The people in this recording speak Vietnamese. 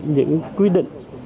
những quy định